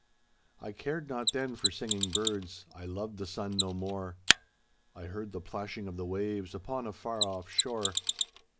I cared not then for singing birds, I loved the sun no more. I heard the plashing of the waves upon a far off shore.